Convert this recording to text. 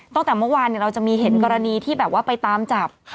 ตั้งแต่เมื่อวานเราจะมีเห็นกรณีที่แบบว่าไปตามจับ